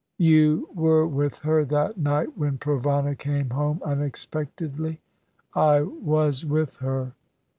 "You were with her that night when Provana came home unexpectedly?" "I was with her.